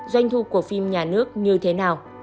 doanh thu của phim nhà nước như thế nào